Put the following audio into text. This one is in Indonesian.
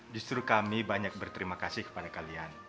justru kami banyak berterima kasih kepada kalian